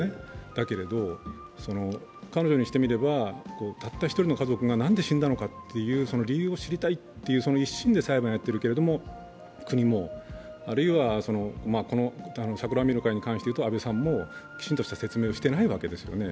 だけれど、彼女にしてみれば、たった１人の家族がなんで死んだのかという理由を知りたいという一心で裁判をやってるけど、国も、あるいは桜を見る会に関して言うと安倍さんもきちんとした説明をしていないわけですよね。